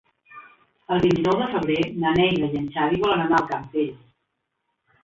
El vint-i-nou de febrer na Neida i en Xavi volen anar al Campello.